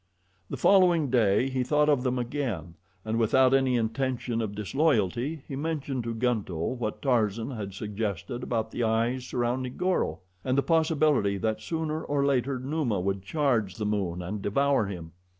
The following day he thought of them again, and without any intention of disloyalty he mentioned to Gunto what Tarzan had suggested about the eyes surrounding Goro, and the possibility that sooner or later Numa would charge the moon and devour him.